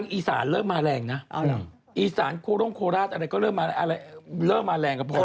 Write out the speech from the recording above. อีสานเริ่มมาแรงนะอีสานโคลาดอะไรก็เริ่มมาแรงกับพ่อตัว